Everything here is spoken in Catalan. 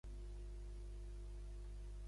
Brass va néixer a Woodland Hills, Califòrnia.